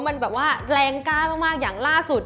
มันแบบว่าแรงกล้ามากอย่างล่าสุด